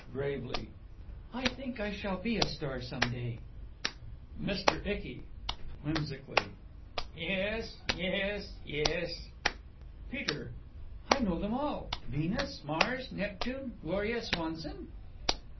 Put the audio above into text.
(Gravely) I think I shall be a star some day.... MR. ICKY: (Whimsically) Yes, yes ... yes.... PETER: I know them all: Venus, Mars, Neptune, Gloria Swanson.